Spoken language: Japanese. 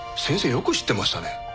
よく知ってましたね。